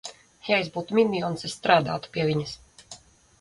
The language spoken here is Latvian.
Ja es būtu minions, es strādātu pie viņas!